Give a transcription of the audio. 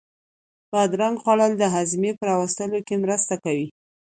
بادرنگ خوړل د هاضمې په را وستلو کې مرسته کوي.